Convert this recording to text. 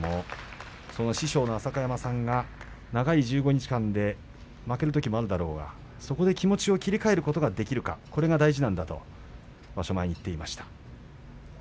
その師匠の浅香山さんが長い１５日間で負けるときもあるだろうがそこで気持ちを切り替えることができるかそれが大事なんだと場所前に言っていました。